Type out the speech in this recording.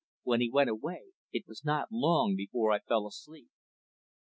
When he went away it was not long before I fell asleep.